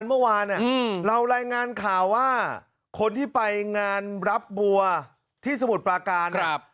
เมื่อวานเรารายงานข่าวว่าคนที่ไปงานรับบัวที่สมุทรปลาการ